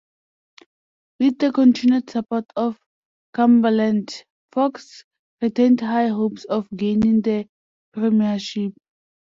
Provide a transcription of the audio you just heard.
With the continued support of Cumberland, Fox retained high hopes of gaining the premiership.